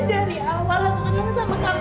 dari awal aku senang sama kamu